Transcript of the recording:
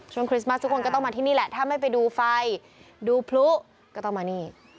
คริสต์มาสทุกคนก็ต้องมาที่นี่แหละถ้าไม่ไปดูไฟดูพลุก็ต้องมานี่